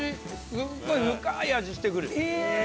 すっごい深い味してくる。